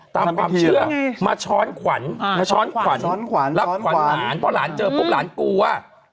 ตามความเชื่อมาช้อนขวัญแล้วขวัญหลานเพราะหลานเจอปุ๊บหลานกูอ่ะ